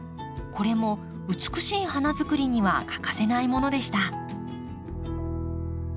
これも美しい花づくりには欠かせないものでした。